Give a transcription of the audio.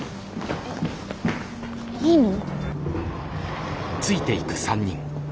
えっいいの？